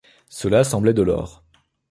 Cela semblait de l’or.